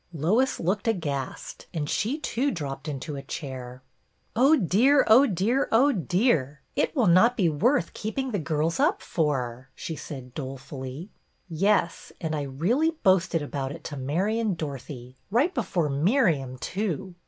Lois looked aghast, and she too dropped into a chair. "Oh. dear! Oh. dear! Oh. dear! It A FEAST — NEW TEACHER 165 will not be worth keeping the girls up for," she said dolefully. "Yes, and I really boasted about it to Mary and Dorothy, right before Miriam too.